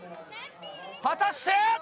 果たして。